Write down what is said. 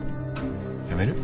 やめる？